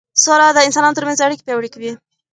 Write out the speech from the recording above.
سوله د انسانانو ترمنځ اړیکې پیاوړې کوي